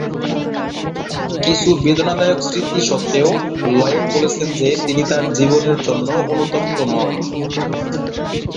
কিছু বেদনাদায়ক স্মৃতি সত্ত্বেও, লয়েড বলেছেন যে তিনি তার জীবনের জন্য অনুতপ্ত নন।